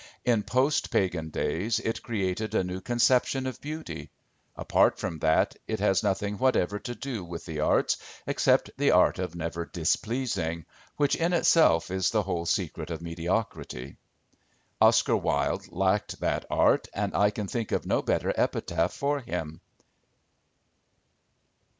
In post pagan days it created a new conception of beauty. Apart from that, it has nothing whatever to do with the arts, except the art of never displeasing, which, in itself, is the whole secret of mediocrity. Oscar Wilde lacked that art, and I can think of no better epitaph for him.